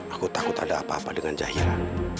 aku takut ada apa apa dengan jahira